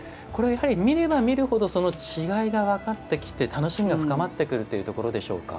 見れば見るほど違いが分かってきて楽しみが深まってくるということでしょうか。